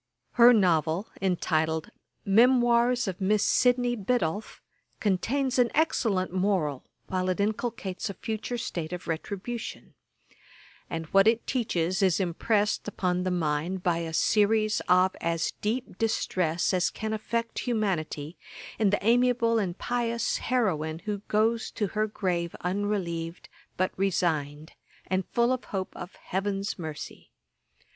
Her novel, entitled Memoirs of Miss Sydney Biddulph, contains an excellent moral while it inculcates a future state of retribution; and what it teaches is impressed upon the mind by a series of as deep distress as can affect humanity, in the amiable and pious heroine who goes to her grave unrelieved, but resigned, and full of hope of 'heaven's mercy.'